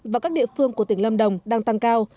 và các địa phương của tỉnh lâm đồng đang tăng cao